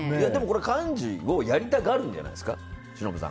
幹事をやりたがるんじゃないですか？